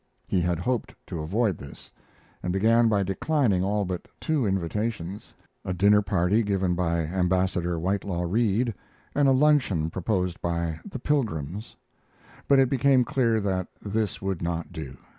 He had hoped to avoid this, and began by declining all but two invitations a dinner party given by Ambassador Whitelaw Reid and a luncheon proposed by the "Pilgrims." But it became clear that this would not do.